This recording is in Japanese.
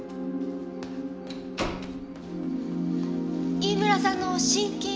飯村さんの心筋の。